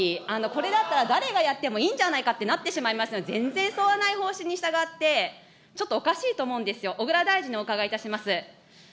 これだったら誰がやってもいいんじゃないかってなってしまいますが、全然沿わない方針に従って、ちょっとおかしいと思うんですよ、小倉大臣にお伺いいたします。